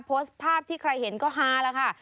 โพสต์ภาพที่ใครเห็นก็ฮาแล้วค่ะ